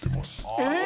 えっ！